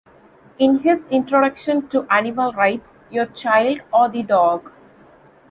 In his Introduction to Animal Rights: Your Child or the Dog?